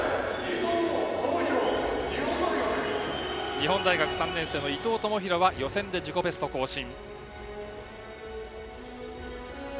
日本大学３年生の伊藤智裕予選で自己ベストを更新。